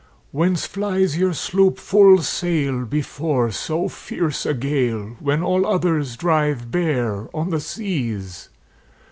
"Whence flies your sloop full sail before so fierce a gale, When all others drive bare on the seas?